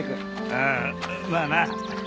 ああまあな。